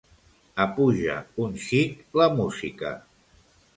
Apuja un xic la música.